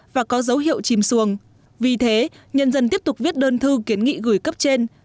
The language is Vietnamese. và có dấu hiệu chìm xuồng vì thế nhân dân tiếp tục viết đơn thư kiến nghị gửi cấp trên